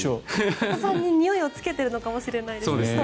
お子さんににおいをつけているのかもしれないですね。